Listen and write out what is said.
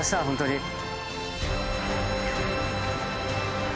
本当に！